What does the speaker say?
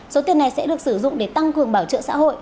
số tiền này sẽ được sử dụng để tăng cường bảo trợ xã hội